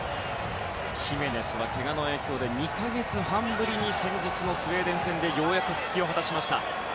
ヒメネスはけがの影響で２か月半ぶりに先日のスウェーデン戦で復帰しました。